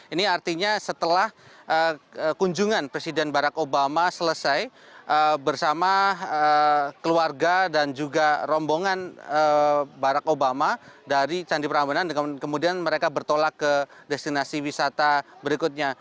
ini artinya setelah kunjungan presiden barack obama selesai bersama keluarga dan juga rombongan barack obama dari candi prambanan kemudian mereka bertolak ke destinasi wisata berikutnya